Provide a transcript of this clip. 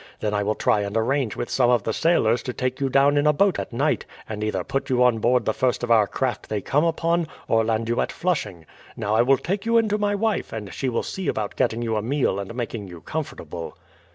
Then I will try and arrange with some of the sailors to take you down in a boat at night, and either put you on board the first of our craft they come upon, or land you at Flushing. Now I will take you in to my wife, and she will see about getting you a meal and making you comfortable."